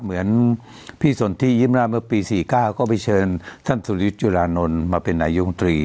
เหมือนพี่สนที่ยึดมนาจเมื่อปีสี่ก้าวก็ไปเชิญท่านสุริยุจุลานนลมาเป็นนายกงตรี